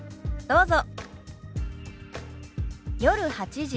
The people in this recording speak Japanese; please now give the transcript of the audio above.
どうぞ。